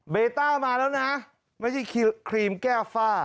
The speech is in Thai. เบต้ามาแล้วนะไม่ใช่ครีมแก้ฝ้า